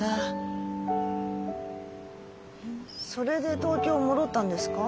それで東京戻ったんですか？